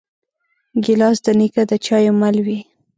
ګیلاس د نیکه د چایو مل وي.